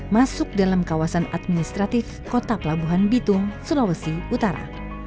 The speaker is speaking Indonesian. masuk dalam kawasan administratif kota pelabuhan bitung sulawesi utara